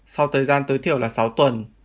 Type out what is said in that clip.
sau thời gian tối thiểu là sáu tuần